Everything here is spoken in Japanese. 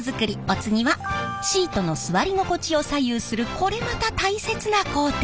お次はシートの座り心地を左右するこれまた大切な工程。